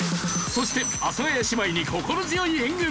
そして阿佐ヶ谷姉妹に心強い援軍！